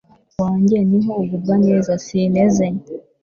wanjye niho ugubwa neza, sinteze